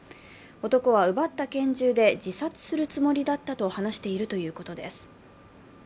男は奪った拳銃で自殺するつもりだったと話しているということです。